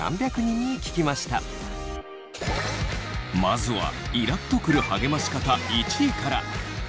まずはイラッとくる励まし方１位から。